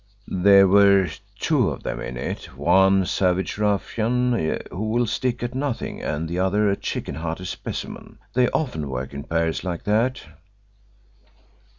"There were two of them in it one a savage ruffian who will stick at nothing, and the other a chicken hearted specimen. They often work in pairs like that."